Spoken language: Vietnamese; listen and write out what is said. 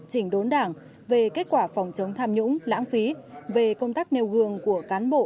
chỉnh đốn đảng về kết quả phòng chống tham nhũng lãng phí về công tác nêu gương của cán bộ